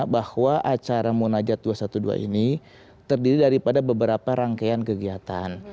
bahwa acara munajat dua ratus dua belas ini terdiri daripada beberapa rangkaian kegiatan